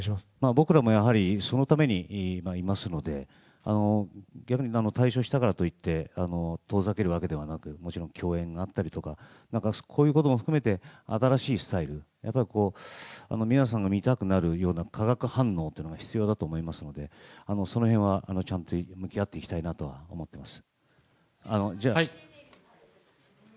僕らもやはりそのためにいますので、逆に、退所したからといって遠ざけるわけではなく、もちろん共演があったり、こういうことも含めて新しいスタイル、皆さんが見たくなるような化学反応というのが必要だと思いますのでその辺はちゃんと向き合っていきたいなと思っています。